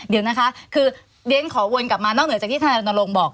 เดี๋ยวนะคะคือเรียนขอวนกลับมานอกเหนือจากที่ธนายรณรงค์บอก